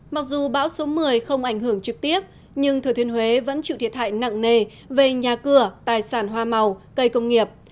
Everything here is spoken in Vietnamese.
mặc dù bão số một mươi không ảnh hưởng trực tiếp nhưng thừa thiên huế vẫn chịu thiệt hại nặng nề về nhà cửa tài sản hoa màu cây công nghiệp